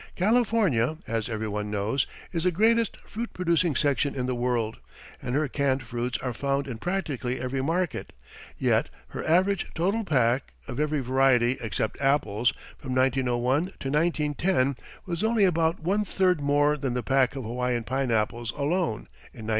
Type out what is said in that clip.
California, as every one knows, is the greatest fruit producing section in the world, and her canned fruits are found in practically every market, yet her average total pack, of every variety except apples, from 1901 to 1910, was only about one third more than the pack of Hawaiian pineapples alone in 1914.